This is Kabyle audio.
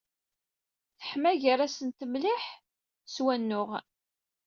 Teḥma gar-asent mliḥ s wanuɣ.